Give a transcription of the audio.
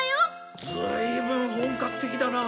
ずいぶん本格的だな。